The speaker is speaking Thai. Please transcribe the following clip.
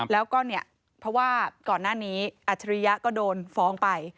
แล้วก็เนี่ยเพราะว่าก่อนหน้านี้อัจฉริยะก็โดนฟ้องไป